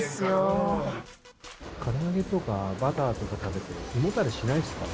唐揚げとかバターとか食べて胃もたれしないんですか？